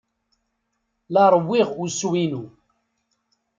La rewwiɣ usu-inu.